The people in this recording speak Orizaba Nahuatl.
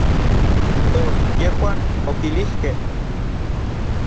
Tos yejuan okilijkej.